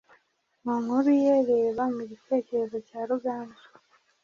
Mu nkuru ye reba mu gitekerezo cya Ruganzu,